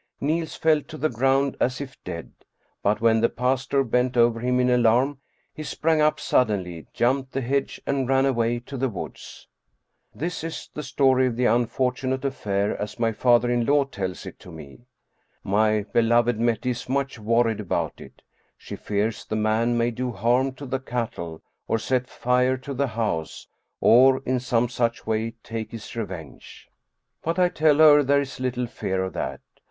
Niels fell to the ground as if dead. But when the pastor bent over him in alarm, he sprang up suddenly, jumped the hedge and ran away to the woods. This is the story of the unfortunate affair as my father in law tells it to me. My beloved Mette is much worried about it. She fears the man may do harm to the cattle, or set fire to the house, or in some such way take his re venge. But I tell her there is little fear of that.